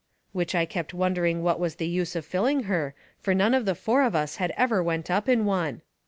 Which I kept wondering what was the use of filling her, fur none of the four of us had ever went up in one.